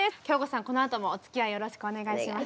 このあともおつきあいよろしくお願いします。